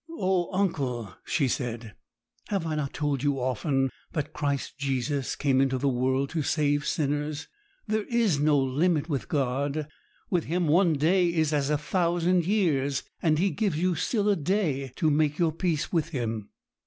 'Oh, uncle,' she said, 'have I not told you often, that "Christ Jesus came into the world to save sinners"? There is no limit with God; with him one day is as a thousand years, and He gives you still a day to make your peace with Him.'